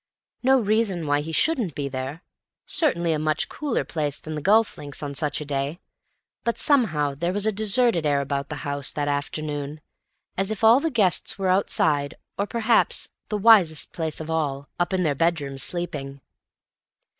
No reason why he shouldn't be there; certainly a much cooler place than the golf links on such a day; but somehow there was a deserted air about the house that afternoon, as if all the guests were outside, or—perhaps the wisest place of all—up in their bedrooms, sleeping.